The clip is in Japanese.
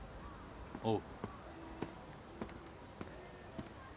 おう。